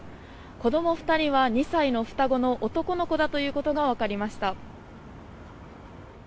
子ども２人は２歳の双子の男の子だということがわかりました。